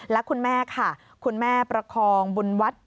และคุณแม่ค่ะคุณแม่ประคองบุญวัฒน์